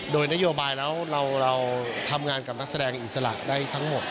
โดยนโยบายแล้วเราทำงานกับนักแสดงอิสระได้ทั้งหมด